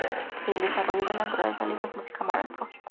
Y el descanso, la naturaleza, libros, música, amar al prójimo.